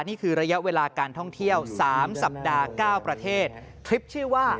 นี่คือระยะเวลาการท่องเที่ยวสามสัปดาห์เก้าประเทศทริปชื่อว่า